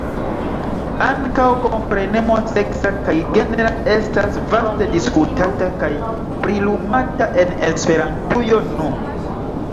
Ankaŭ komprenemo seksa kaj genra estas vaste diskutata kaj prilumata en Esperantujo nun.